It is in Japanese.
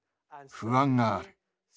不安がある。